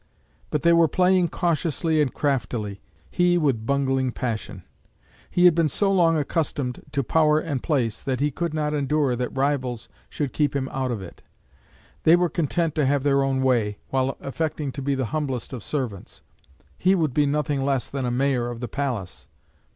But they were playing cautiously and craftily; he with bungling passion. He had been so long accustomed to power and place, that he could not endure that rivals should keep him out of it. They were content to have their own way, while affecting to be the humblest of servants; he would be nothing less than a Mayor of the Palace.